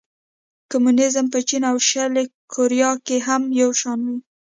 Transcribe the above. کمونېزم په چین او شلي کوریا کې هم یو شان و.